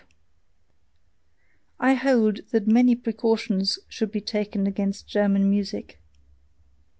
I hold that many precautions should be taken against German music.